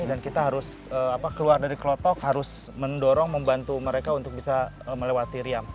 dan kita harus keluar dari klotok harus mendorong membantu mereka untuk bisa melewati riam